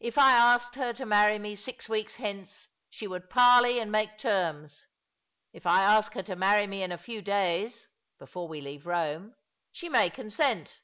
If I asked her to marry me six weeks hence she would parley and make terms. If I ask her ^to marry me in a few days— before we leave Eome — she may consent.